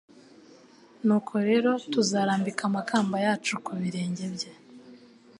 Nuko rero tuzarambika amakamba yacu ku birenge bye,